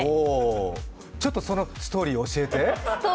ちょっとそのストーリー教えて。